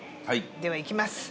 ではいきます。